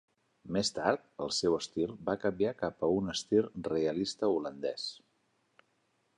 Més tard, el seu estil va canviar cap a un estil realista holandès.